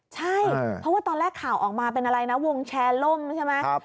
ใช่เพราะว่าตอนแรกข่าวออกมาเป็นอะไรนะวงแชร์ล่มใช่ไหม